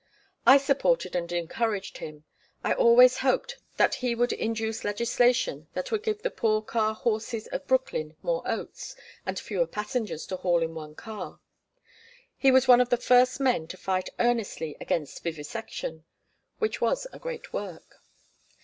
I supported and encouraged him. I always hoped that he would induce legislation that would give the poor car horses of Brooklyn more oats, and fewer passengers to haul in one car. He was one of the first men to fight earnestly against vivisection which was a great work.